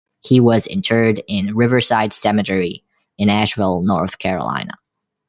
He was interred in Riverside Cemetery in Asheville, North Carolina.